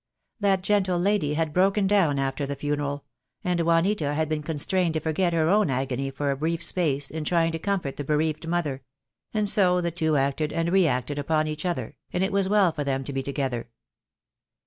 That gentle lady had broken down after the funeral, and Juanita had been con strained to forget her own agony for a brief space in try ing to comfort the bereaved mother; and so the two acted and re acted upon each other, and it was well for them to be together.